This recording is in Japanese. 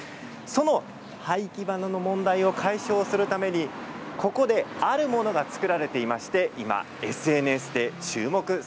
その廃棄花の問題を解消するために、ここであるものが作られていまして今ＳＮＳで注目されているんです。